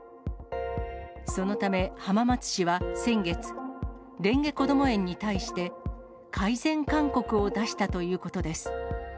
そのため、浜松市は先月、れんげこども園に対して、改善勧告を出したということです。